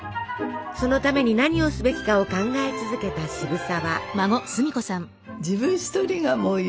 そのために何をすべきかを考え続けた渋沢。